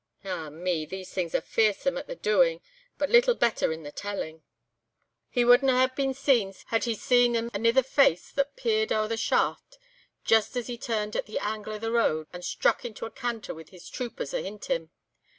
"Ah! me, these things are fearsome at the doing and but little better in the telling. He wadna hae been sae blithe had he seen anither face that peered o'er the shaft just as he turned at the angle of the road and struck into a canter with his troopers ahint him.